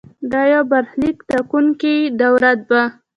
دا یو برخلیک ټاکونکې دوره وه.